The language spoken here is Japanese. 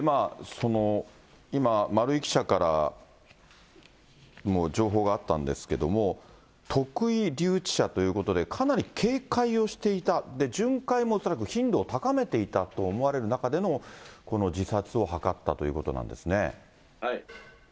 今、丸井記者からも情報があったんですけども、特異留置者ということで、かなり警戒をしていた、で、巡回も恐らく頻度を高めていたと思われる中での、この自殺を図ったということなんですね。